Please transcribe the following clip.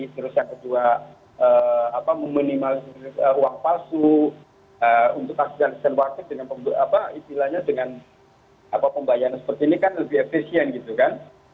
terus yang kedua meminimalisir uang palsu untuk kasihan seluartik dengan istilahnya dengan pembayaran seperti ini kan lebih efisien gitu kan